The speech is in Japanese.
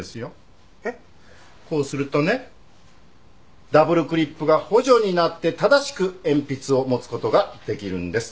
こうするとねダブルクリップが補助になって正しく鉛筆を持つ事ができるんです。